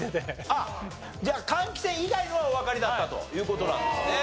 あっじゃあ換気扇以外のはおわかりだったという事なんですね。